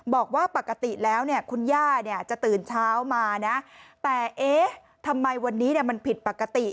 บอกว่าปกติแล้วคุณย่าจะตื่นเช้ามาแต่ทำไมวันนี้มันผิดปกติ